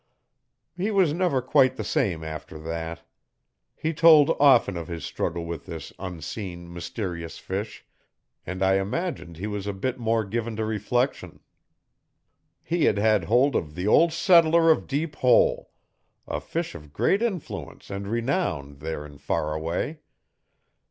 He was never quite the same after that. He told often of his struggle with this unseen, mysterious fish and I imagined he was a bit more given to reflection. He had had hold of the 'ol' settler of Deep Hole' a fish of great influence and renown there in Faraway.